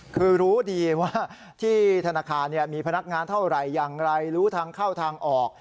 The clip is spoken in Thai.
คือรู้ดีว่าที่ธนาคารมีพนักงานเท่าไหร่อย่างไรรู้ทางเข้าทางออก